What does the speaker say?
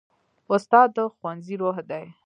استاد د ښوونځي روح دی.